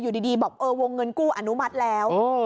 อยู่ดีบอกเออวงเงินกู้อนุมัติแล้ว